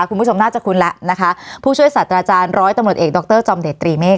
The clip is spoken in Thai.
คุณผู้ชมน่าจะคุ้นแล้วนะคะผู้ช่วยศาสตราจารย์ร้อยตำรวจเอกดรจอมเดชตรีเมฆ